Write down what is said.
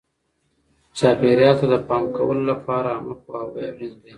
چاپیریال ته د پام کولو لپاره عامه پوهاوی اړین دی.